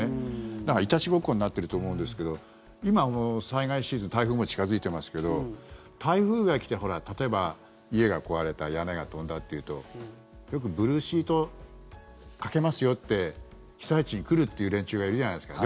だから、いたちごっこになってると思うんですけど今、災害シーズン台風も近付いてますけど台風が来て、例えば家が壊れた屋根が飛んだというとよくブルーシートかけますよって被災地に来るという連中がいるじゃないですか。